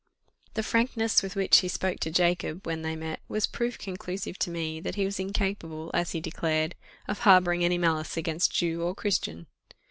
The frankness with which he spoke to Jacob, when they met, was proof conclusive to me that he was incapable, as he declared, of harbouring any malice against Jew or Christian.